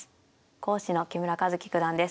講師の木村一基九段です。